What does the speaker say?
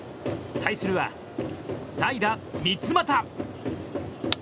対するは代打、三ツ俣。